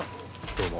どうも。